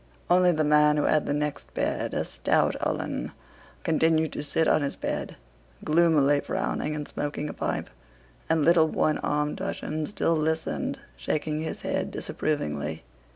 Only the man who had the next bed, a stout Uhlan, continued to sit on his bed, gloomily frowning and smoking a pipe, and little one armed Túshin still listened, shaking his head disapprovingly.